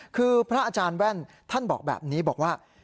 คือพระอาจารย์แว่นท่านบอกแบบนี้บอกว่า